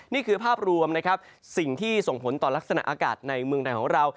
นี่คือภาพรวมนะครับสิ่งที่ส่งผลต่อลักษณะอากาศในเมืองไทยของเรา